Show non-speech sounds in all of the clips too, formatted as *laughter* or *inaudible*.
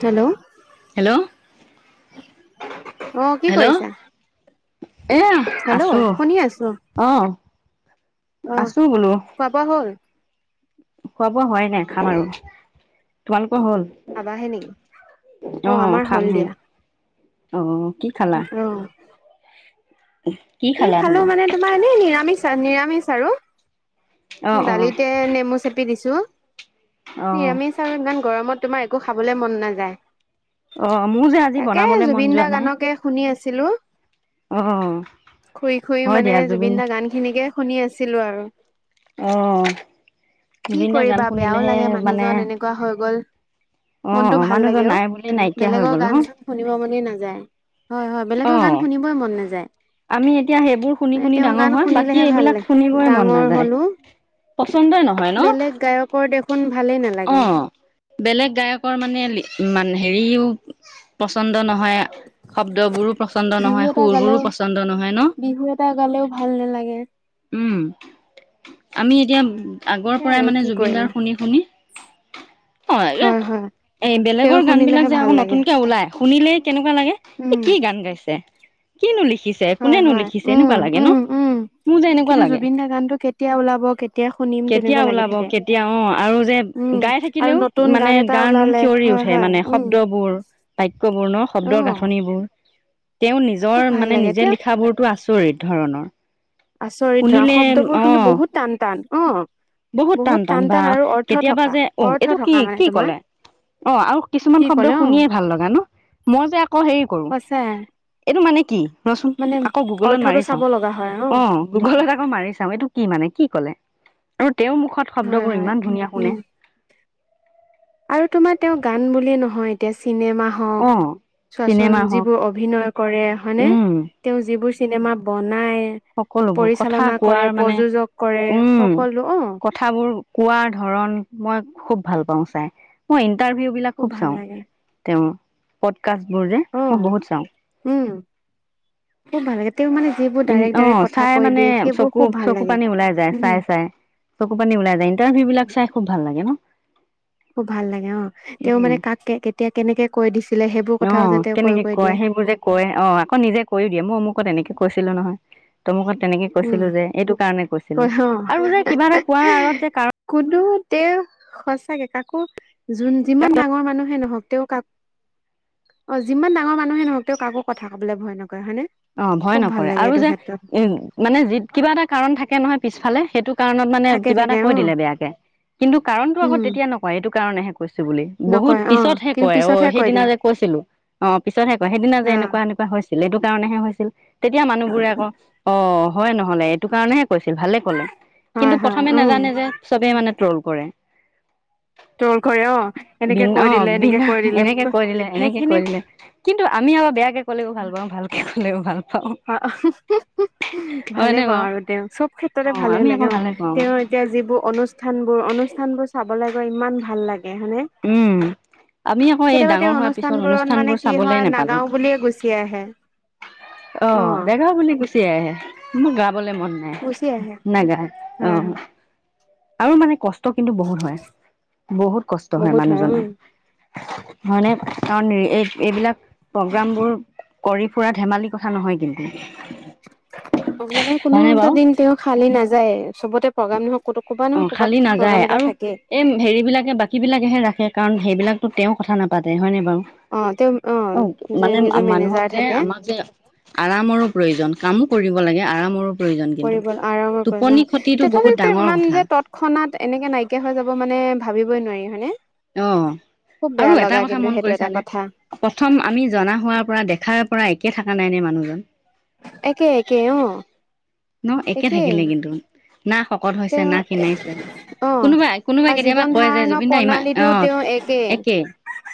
Hello hello অহ কি কৰিছা? এয়া হেল্ল' আছো, অহ। অহ, খোৱা বোৱা হ'ল? খোৱা বোৱা হোৱাই নাই খাম আৰু, তোমালোক ক হ'ল? খাবাহে নেকি অ অ খামহে। অ কি খালা অহ। কি খালা খালে বোলো মানে তোমাৰ এনে নিৰামিষ আ নিৰামিষ আৰু। অ অ দালিতে নেমু চেপি দিছ ছো, অ নিৰামিষ আৰু ইমান গৰমত তোমাৰ একো খাবলে মন নাযায়। অ মোৰ যে আজি তাকে বনাবলে মন জুবিন যোৱা দা নাই গানকে শুনি আছিলো। অ। খুই খুই হয় মানে দিয়া জুবিন দাৰ গান খিনিকে শুনি আছিলো আৰু। অহ। কি কৰিবা বেয়াও লাগে মানুহজন এনেকুৱা হৈ গ'ল। অ মনটো ভাল মানুহজন লাগে অ, নাই বুলি নাইকিয়া হৈ বেলেগৰ গ'ল ন গান চান শুনিব মনে নাযায়। হয় হয় অ বেলেগৰ গান শুনিবই মন নাযায়। আমি এতিয়া সেইবোৰ শুনি মানে শুনি তেওঁৰ ডাঙৰ গান হোৱা বাকী শুনিলেহে ভাল এইবিলাক লাগে শুনবই মন ডাঙৰ নাযায়। হলো পচন্দই নহয় ন বেলেগ গায়কৰ দেখোন ভালেই অ নালাগে বেলেগ গায়কৰ মানে মান হেৰি পচন্দ নহয় শব্দবোৰো পচন্দ বিহু নহয় এটা সুৰবোৰো গালেও পচন্দ নহয় ন? বিহু এটা গালেও ভাল নালাগে উম আমি এতিয়া আগৰ সেইয়াই আৰু পৰাই মানে কি কৰিম জুবিনদাৰ শুনি শুনি অ হয় হয় এই তেওঁ বেলেগৰ গান বিলাক শুনিলেহে যে ভাল আকৌ লাগে নতুনকে ওলাই শুনিলেই কেনেকুৱা লাগে, এই উম কি গান গাইছে! কিনো লিখিছে, হয় কোনে হয় নোলিখিছে, উম এনেকুৱা লাগে ন। উম উম মোৰ যে এনেকুৱা কিন্তু লাগে জুবিন দাৰ গানটো কেতিয়া ওলাব কেতিয়া শুনিম কেতিয়া তেনেকুৱা লাগি ওলাব, থাকে কেতিয়া অ আৰু যে উম গাই আৰু থাকিলেও নতুন মানে গান এটা গাৰ নোম ওলালে শিয়ৰি হয় উঠে হয় মানে উম শব্দবোৰ বাক্যবৰ্ণ অ শব্দৰ গাঁথনিবোৰ তেওঁ খুব নিজৰ ভাল মানে লাগে নিজে তেওঁ লিখাবোৰতো আচৰিত ধৰণৰ আচৰিত ধৰণৰ শুনিলে শব্দবোৰ কিন্তু অ' বহুত টান টান অ বহুত টান টান বা আৰু অৰ্থ কেতিয়াবা থকা যে অ অৰ্থ এইটো কি থকা মানে কি তোমাৰ কলে? ! অ আৰু কিছুমান কি শব্দ ক'লে অ শুনিয়ে ভাল লগা ন। মই যে আকৌ হেৰি কৰো সঁচাই এইটো মানে কি ৰচোন মানে আকৌ গুগলত অৰ্থটো মাৰি চাব চাওঁ। লগা হয় অ গুগলত আকৌ মাৰি চাওঁ, এইটো কি মানে কি ক'লে। আৰু তেওঁৰ মুখত হয় শব্দবোৰ হয় ইমান ধুনীয়া শুনে। উম আৰু তোমাৰ তেওঁ গান বুলিয়ে নহয় এতিয়া চিনেমা হওঁক, অ' চোৱাচোন চিনেমা হওক যিবোৰ অভিনয় কৰে হয়নে উম তেওঁ যিবোৰ চিনেমা বনাই সকলোবোৰ কথা পৰিচালনা কৰে কোৱাৰ মানে প্ৰযোজক কৰে সকলো অ কোৱা ধৰণ মই খুব ভাল পাওঁ চাই মই ইণ্টাৰভিউ বিলাক খুব ভাল চাওঁ লাগে তেওঁ কাচবোৰৰে অ মই বহুত চাওঁ। উম খুব ভাল লাগে তেওঁ মানে যিবোৰ ডাইৰেক্ট অ ডাইৰেক্ট কথা চাই কৈ মানে দিয়ে সেইবোৰ চকু খুব ভাল চকু লাগে পানী ওলাই যায় উম চাই চাই। চকু পানী ওলাই যায় ইণ্টাৰভিউ বিলাক চাই খুব ভাল লাগে ন। খুব ভাল লাগে অ তেওঁ উম মানে কাকে কেতিয়া কেনেকে কৈ দিছিলে সেই অ কেনেকে কয় সেইবোৰ যে কয় অ আকৌ নিজে কয় দিয়ে মোৰ অমুকত এনেকে কৈ ছিলো নহয় তমুকত তেনেকে কৈছিলো যে এইটো কাৰণে কৈছিলো কৈ অ আৰু যে কিবা এটা কোৱাৰ আঁৰত যে কাৰ তে সঁচাকে কাকো যোন যিমান কাৰণ ডাঙৰ মানুহে নহওক তেওঁ কাক অ যিমান ডাঙৰ মানুহে নহক তেওঁ কাকো কথা কবলে ভয় নক অ ভয় নকৰে আৰু যে উ মানে যি কিবা এটা কাৰণ থাকে নহয় পিছফালে সেইটো কাৰণত মানে থাকে কিবা এটা থাকে কৈ অ দিলে বেয়াকে কিন্তু কাৰণতটো আকৌ উম তেতিয়া নকয় এইটো কাৰণেহে কৈছো বুলি বহুত নকয় অ পিছতহে কিন্তু কয় অ পিছতহে কৈ সেইদিনা দিয়ে যে কৈছিলো অ পিছতহে কয় সেইদিনা যে অ এনেকুৱা এনেকো হৈছিল এইটো কাৰণেহে হৈছিল তেতিয়া মানুহবোৰে আকৌ অ হয় নহলে এইটো কাৰণেহে কৈছিল ভালে ক'লে কিন্তু হয় হয় প্ৰথমে উম নাজানে যে চবেই মানে ট্ৰল কৰে ট্ৰল কৰে অ বি এনেকে কৈ অ দিলে এনেকে বিনা কৈ দিলে এনেকে কৰিলে এনেকে সেইখিনি কৰিলে কিন্তু আমি বেয়াকে কলেও ভাল পাওঁ ভালে কলে ভাল পা অ অহ হয় ভালে নে পাওঁ বাৰু আৰু তেওঁ চব অ ক্ষেত্ৰতে ভালে আমি আকৌ লাগে অ ভালে পাওঁ তেওঁৰ এতিয়া যিবোৰ অনুষ্ঠান বোৰ অনু অনুষ্ঠানবোৰ চাবলৈ গৈ ইমান ভাল লাগে। হয়নে উম। আমি আকৌ এই কেতিয়াবা ডাঙৰ তেওঁ হোৱাৰ অনুষ্ঠান পিছত বোৰত মানে অনুষ্ঠানবোৰ কি হয় চাবলেই নাপালো। নাগাও বুলিয়ে গুচি আহে অ দেগা বুলি গুচি আহে। মোৰ গা বলে মন নাই। গুচি আহে নাগাং অ। হয় হয় আৰু মানে কষ্ট ষ্ট কিন্তু বহুত হয়। বহুত কষ্ট হয় বহুত মানুহজনৰ। উম হয়নে, কাৰণ এই এইবিলাক প্ৰগ্ৰাম বোৰ কৰি ফুৰা ধেমালি কথা নহয় কিন্তু। অ মানে কোনো হয়নে এটা বাৰু দিন তেওঁ খালি নাযায়, চবতে প্ৰগ্ৰাম নহয় ক'তো ক'বা অ নহয় ক'বাত খালি প্ৰগ্ৰাম নাযায়। এটা আৰু, থাকে এই হেৰি বিলাকে বাকী বিলাকেহে ৰাখে। কাৰণ, সেইবিলাকতো তেওঁ কথা নাপাতে হয়নে বাৰু। অ', তে অ', মানে মানুহক যে আমাক যে আৰামৰো প্ৰয়োজন কামো কৰিম *unintelligible* লাগে আৰামৰো প্ৰয়োজন কিন্ত, টোপনি খ তথাপিতো ইমান যে তৎক্ষণাত এনেকে নাইকিয়া হৈ যাব মানে ভাবিবই নোৱাৰি হয়নে? অ', খুব আৰু বেয়া এটা লগা কথা কিন্তু মন সেইটো এটা কৰিছানে! কথা প্ৰথম আমি জনা হোৱাৰ পৰা, দেখাৰ পৰা একে থকা নাই নে মানুহ একে একে অ। ন একে থাকিলে কিন্তু। না শকত হৈছে, তেওঁ না ক্ষীনাইছে। অ কোনোবাই কোনোবাই আৰু কেতিয়াবা জীৱন কয় যে ধাৰণৰ জুবিন দা ইমান অ, প্ৰণালীটো তেওঁ একে,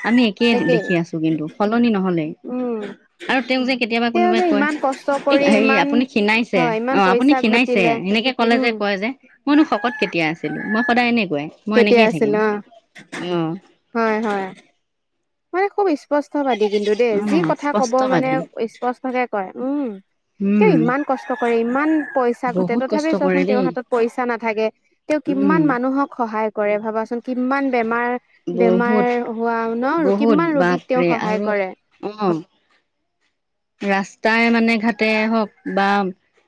আমি একেই একে দেখি আছো কিন্তু। সলনি নহল। উম আৰু তেওঁক যে কেতিয়াবা তেওঁ কোনোবাই যে কয়, ইমান কষ্ট এই কৰি হেৰি ইমান আপুনি খিনাইছে হয় ইমান আপুনি পইচা খিনাইছে ঘটিলে এনেকে কলে যে উম কয় যে, মইনো শকত কেতিয়া আছিলো মই সদায় এনে তেতিয়া আছিলো অ', অ হয়, হয়। মানে খুব স্পষ্ট বাদী। কিন্তু দেই অ যি কথা কব মানে স্পষ্টবাদী স্পষ্টকে কয় উম, তেওঁ উম ইমান কষ্ট কৰি ইমান পইচা ঘটে বহুত তথাপি কষ্ট চোৱাচোন কৰে তেওঁৰ দেই হাতত পইচা নাথাকে, তেওঁ উম কিমান মানুহক সহায় কৰে ভাবাচোন কিমান বেমাৰ বেমাৰ বহুত হোৱা ন'? বহুত কিমান ৰোগীক তেওঁ বাপৰে সহায় আৰু কৰে। অ ৰাস্তাই মানে ঘাটে হওঁক বা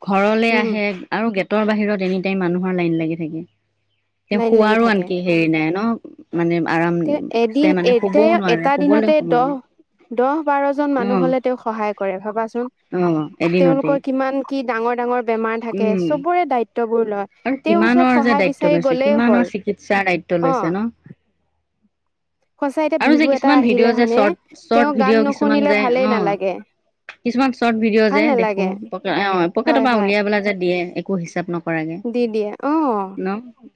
ঘৰলে উম আহে আৰু গ গেতৰ বাহিৰত এনি টাইম মানুহৰ লাইন লাগি থাকে। তেওঁ লাইন লাগি শোৱাৰো থাকে আনকি হেৰি নাই ন মানে তেওঁ এদিন আৰামছে মানে শুবও এতিয়া নোৱাৰে এটা দিনতে শুবলৈ সময় দহ নাই। দহ বাৰ জন মানুহ উম হলে তেওঁক সহায় কৰে ভাবাচোন অ এদিনতে তেওঁলোকৰ কিমান কি ডাঙৰ ডাঙৰ বেমাৰ থাকে উম চবৰে দায়িত্ববোৰ লয় আৰু তেওঁৰ ওচৰত কিমানৰ যে সহায় দায়িত্ব বিচাৰি লৈছে গ'লেই কিমানৰ হ'ল। চিকিৎসাৰ দায়িত্ব অ লৈছে ন? সঁচা এতিয়া আৰু যে বিহু এটা কিছুমান আহিলে ভিডিঅ' যে হয়নে চৰ্ট তেওঁ চৰ্ট গান ভিডিঅ' কিছুমান নুশুনিলে যে ভালেই নালাগে অ', কিছুমান চৰ্ট ভিডিঅ' ভাল যে দেখো নালাগে প অ', হয় পকেটৰ পৰা হয় উলিয়াই পেলাই যে দিয়ে একো হিচাপ নকে নকৰা কে দি দিয়ে অ ন'?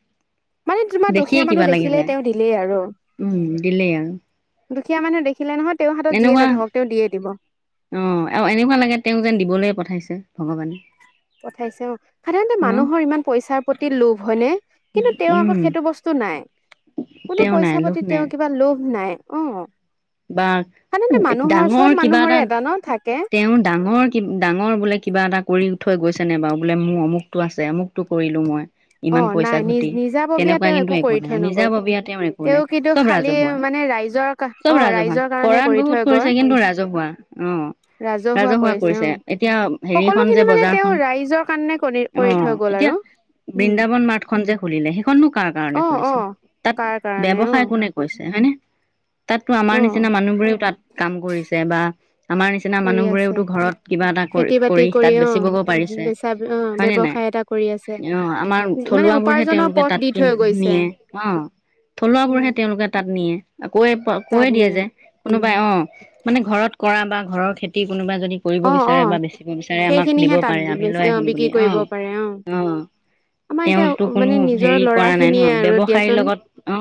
মানে তোমাৰ দেখিয়ে দুখীয়া মানুহ কিবা লাগি দেখিলেই যায় তেওঁ দিলেই আৰু উম, দিলেই আৰু। দুখীয়া মানুহ দেখিলে নহয় তেওঁৰ হাতত যিয়ে এনেকুৱা নাথাকক তেওঁ দিয়ে দিব। অ', আৰু এনেকুৱা লাগে তেওঁক যেন দিবলৈ পঠাইছে ভগৱানে। পঠাইছে অ', সাধাৰণতে ন মানুহৰ ইমান পইচাৰ প্ৰতি লোভ হয়নে? কিন্তু তেওঁ আকৌ উম সেইটো বস্তু নাই কোনো তেওঁ নাই পইচা লোভ প্ৰতিা নাই তেওঁ কিবা লোভ নাই। অ', বা সাধাৰণতে মানুহৰ চব ডাঙৰ কিবা মানুহৰে এটা। ন থাকে তেওঁ ডাঙৰ ডাঙৰ বোলে কিবা এটা কৰি থৈ গৈছেনে বাৰু বোলে মোৰ অমুকটো আছে অমুকটো কৰিলোঁ মই। অ ইমান নাই পইচা নিজ ঘটি নিজাববীয়া তেনেকুৱা তেওঁ কিন্তু একো কৰি থৈ নাই নগল নিজাববীয়া তেওঁৰ একো তেওঁ নাই কিন্তু চব খালি ৰাজহুৱা। মানে ৰাইজৰ। অ চব ৰাজহুৱা ৰাইজৰ কাৰণে কৰাত কৰি থৈ বহুত গৈ কৰিছে কিন্তু ৰাজহুৱা অ', ৰাজহুৱা কৰিছে এতিয়া হেৰিখন সকলোখিনি যে মানে তেওঁ বজাৰখনন ৰাইজৰ কাৰণে কৰি কৰি থৈ অ', গ'ল এতিয়া আৰু উম বৃন্দাবন মাৰ্ত খন যে খুলিলে সে সেইখননো কাৰ অ কাৰণে অ খুলিছে তাত কাৰ কাৰণে অ ব্যৱসায় কোনে কৰিছে হয়নে? তাততো আমাৰ অ নিচিনা মানুহ বোৰেও তাত কাম কৰিছে বা, আমাৰ নিচিনা কৰি মানুহ বোৰেও আছে ঘৰত কিবা এটা খেতি বাতি কৰি তাত অ বেচিব গ' পাৰিছে, বেচা অ হয় নে নাই ব্যৱসায় এটা কৰি আছে অ', আমাৰ মানে থলুৱা বোৰ হে উপাৰ্জনৰ তেওঁলোকে পথ তাত দি কিন থৈ গৈছে নিয়ে অ', থলুৱাবোৰ উম হে তেওঁলোকে তাত নিয়ে। কৈয় কৈ তাত দিয়ে নিয়ে যে কোনোবাই অ', মানে ঘৰত কৰা বা ঘৰৰ খেতি কোনোবা যদি কৰিব অ অ বিচাৰে বা বেচিব বিচাৰে আমাক দিব সেইখিনিহে তাত পাৰে আমি লৈ অ আহিম বিক্ৰী বুলি কৰিব অ', পাৰে অ', আমাৰ এতিয়া তেওঁতো কোনো মানে নিজৰ হেৰি ল'ৰা কৰা নাই ন খিনিয়ে আৰু ব্যৱসায়ীৰ দিয়াচোন লগত অ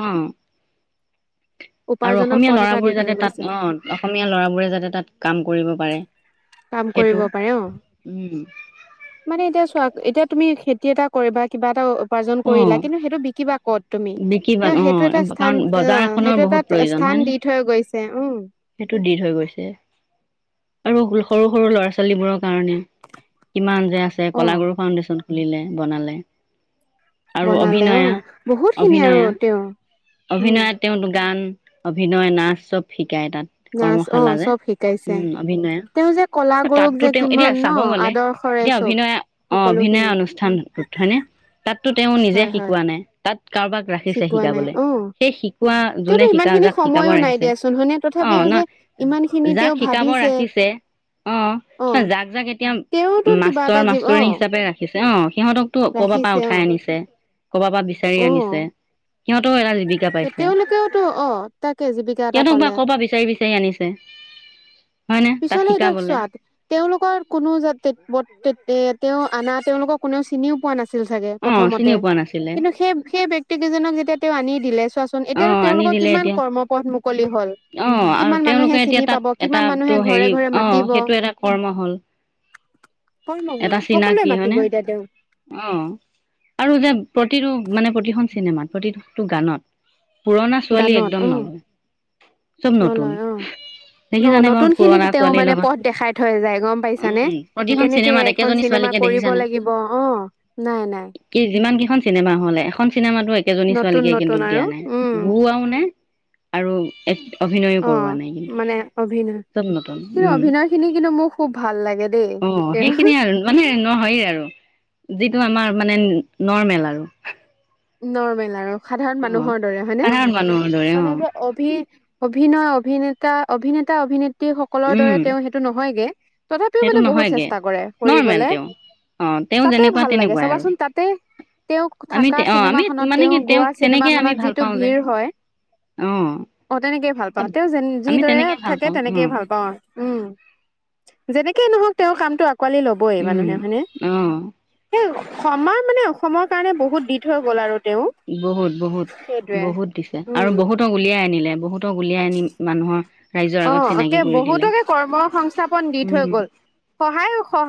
*inaudible* আৰু উপাৰ্জনৰ অসমীয়া পথ এটা দি ল'ৰাবোৰ থৈ যাতে গৈছে তাত অ অসমীয়া ল'ৰাবোৰে যাতে তাত কাম কৰিব পাৰে কাম কৰিব সেইটো পাৰে উম, অ মানে এতিয়া চোৱা এতিয়া তুমি খেতি এটা কৰিবা কিবা এটা উপাৰ্জন কৰিলা অ' কিন্তু সেইটো বিকিবা ক'ত তুমি? বিক্ৰী বা তেওঁ সেইটো এটা অ' কাৰণ স্থান অ, বজাৰ এখনৰ সেইটো বহুত এটা প্ৰয়োজন স্থান হয়নে? দি থৈ গৈছে উম, সেইটো দি থৈ গৈছে আৰু সৰু সৰু ল'ৰা ছোৱালীবোৰৰ কাৰণে কিমান যে আছে অ কলাগুৰু ফাউণ্ডেশ্যন। খুলিলে বনালে। আৰু বনালে অ অভিনয়া বহুত - খিনি আৰু অভিনয়া তেওঁ - উম অভিনয়ত তেওঁতো গান অভিনয় নাচ চব ফিক শিকাই তাত নাচ অ কৰ্মশালা যে চব শিকাইছে উম, অভিনয়ে তেওঁ যে কলা গুৰুক তাতো যে তেওঁ এতিয়া কিমান ন চাব গ'লে আদৰ্শৰে এতিয়া চব অভিনয় অ, সকলো অভিনয় খিনি অনুষ্ঠানটোত হয়নেে তাত টো তেওঁ নিজে হয় হয় শিকোৱা নাই। কাৰোবাক ৰাখিছে শিকোৱা নাই শিকাবলে অ সেই শিকোৱা তেওঁতো যোনে ইমান শিকা খিনি যাক শিকাব সময়ো নাই ৰাখিছে দিয়াচোন হয়নে অ, তথাপিও ন যে ইমান খিনি যাক তেওঁ শিকাব ভাবিছে ৰাখিছে অ, অ যাক জাক এতিয়া তেওঁতো কিবা এটা মাষ্টৰ- জীৱ অ মাষ্টৰী হিচাপে ৰাখিছে অ, সিহঁতকো ক ক'ৰবাৰ পৰা ৰাখিছে অ উঠাই আনিছে ক'ৰবাৰ পৰা বিচাৰি অ আনিছে। সিহঁতেও এটা জীৱিকা পাইছে তেওঁলোকেওতো অ, তাকে জীৱিকা এটা সিহঁতক বা পালে। ক'ৰ পৰা বিচাৰি বিচাৰি আনিছে হয়নে তাত পিছলে এতিয়া শিকাবলে চোৱা তেওঁলোকৰ কোনো জাতে ব তেওঁ অনা তেওঁলোকক কোনেও চিনিও পোৱা নাছিল চাগে অ প্ৰথমতে চিনিও পোৱা নাছিলে কিন্তু সেই - সেই ব্যক্তি কেইজনক যেতিয়া তেওঁ আনি দিলে চোৱাচোন অ এতিয়াতো আনি তেওঁলোকৰ দিলে কিমান এতিয়া কৰ্ম পথ মুকলি হল। অ আৰু কিমান তেওঁলোকে মানুহে এতিয়া চিনি তাত পাব কিমান এটাতো মানুহে ঘৰে হেৰি - ঘৰে অ মাতিব। সেইটো এটা কৰ্ম হল কৰ্ম হল এটা চিনাক সকলোৱে কি মানে মাতিব এতিয়া তেওঁ অ, আৰু যে প্ৰতিটো মানে প্ৰতিখন চিনেমাত প্ৰতিটো গানত পুৰণা ছোৱালী গানত একদম অ নহয় চব নতুন নলয় অ ন দেখি জানে বাৰু নতুন খিনিক পুৰণা তেওঁ ছোৱালীৰ মানে লগত পথ দেখাই থৈ যায় গম পাইছানে উম, প্ৰতিখন কেনেকে চিনেমাত এখন একেজনী চিনেমা ছোৱালীকে দেখিছ কৰিব নে লাগিব অ নাই নাই কি যিমান কি এখন চিনেমা হলে এখন চিনেমাতো একেজনী নতুন ছোৱালীকে কিন্তু নতুন আৰু দিয়া নাই উম ঘৰুৱাও নে? আৰু এক অভিনয়ো অ কৰোৱা নাই কিন্তু মানে অভিনয় চব নতুন কিন্তু উম অভিনয় খিনি কিন্তু মোৰ খুব ভাল লাগে দেই। অ তেওঁ সেইখিনিয়ে আৰু *unintelligible* নহয় আৰু যিটো আমাৰ মানে নৰ্মেল আৰু। নৰ্মেল আৰু সাধাৰণ অ মানুহৰ দৰে হয়নে, সাধাৰণ মানুহৰ দৰে অ মানে যে অভি অভিনয় অভিনেতা, অভিনেতা অভিনেত সেই সকলৰ উম দৰে তেওঁ সেইটো নহয়গে, তথাপিও সেইটো মানে বহুত নহয়গে চেষ্টা কৰে নৰ্মেল কৰিবলে। তেওঁ অ তেওঁ তাতে যেনেকুৱা ভাল লাগে তেনেকুৱাই আৰু চাবাচোন তাতে তেওঁ আমি থাকা *unintelligible* অ চিনেমা আমি খনত মানে তেওঁ কি তেওঁক গোৱা চিনেমা তেনেকে আমি খনত ভাল যিটো পাওঁ যে ভিৰ হয় অ তাকে যেন আমি যিদৰে তেনেকে ভাল থাকে পাওঁ অ তেনেকেই ভাল পাওঁ আৰু। উম, যেনেকেই নহওক তেওঁৰ কামটো আ *unintelligible* ল'বই উম মানুহে হয়নে, অ আমাৰ মানে অসমৰ কাৰণে বহুত থৈ গ'ল আৰু তেওঁ বহুত বহুত, সেইটোৱে। বহুত দিছে আৰু উম বহুতক উলিয়াই আনিলে। বহুতক উলিয়াই আনি মানুহৰ ৰাইজৰ আগত অ', চিনাকি একে কৰি দিলে বহুতকে কৰ্ম সংস্থাপন দি থৈ উম গল। সহায় স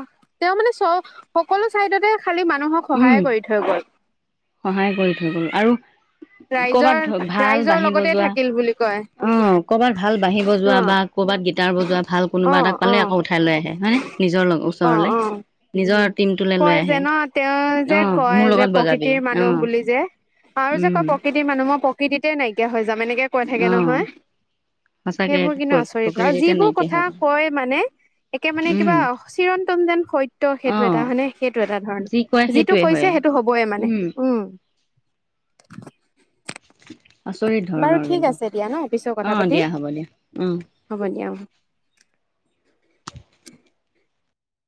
তেওঁ মানে চ সকলো চাইডতে খালি মানুহক সহায়ে উম কৰি থৈ গ'ল। সহায় কৰি থৈ গ'ল আৰু কৰ'বাত ভাল ৰাইজৰ-ৰাইজৰ বাঁহী লগতে বজোৱা থাকিল বুলি কয়, অ' অ'। তাৰ বজোৱা ভাল কোনোবা অ এটাক পালে অ আকৌ উঠাই লৈ আহে হয়নে নিজৰ অ ওচৰলৈ অ নিজৰ টিমটোলৈ লৈ কয় যে আহে ন তেওঁ যে অ' কয় মোৰ যে লগত বজাবি প্ৰকৃতিৰ মানুহ অ' বুলি যে, আৰু যে উম। কয় প্ৰকৃতিৰ মানুহ। মই প্ৰ প্ৰকৃতিতে নাইকিয়া হৈ যাম এনেকে কৈ থাকে অ' নহয়। সঁচাকে সেইবোৰ কিন্তু আচৰিত কথা। প্ৰকৃতি আৰু এতিয়া যিবোৰ নাইকিয়া কথা হৈ গ'ল কয় মানে, একে মানে উম। কিবা চিৰন্তন যোন সত্য সেইটো টা অ' হয়নে, সেইটো এটা ধৰণ। যি কয় যিটো সেইটোৱে কৈছে হয়। সেইটো হব‌ই মানে, উম। আচৰিত বাৰু ধৰণৰ ঠিক কিন্তু। আছে দিয়া ন পিছত কথা আহ পাতিম দিয়া হ'ব দিয়া উম। হ'ব দিয়া